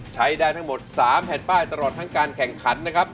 ใช้ได้ทั้งหมด๓แผ่นป้ายตลอดทั้งการแข่งขันนะครับ